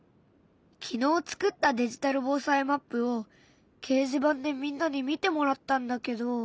昨日作ったデジタル防災マップを掲示板でみんなに見てもらったんだけど。